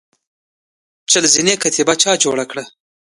چهل زینې کتیبه چا جوړه کړه؟